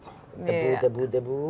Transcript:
debu debu debu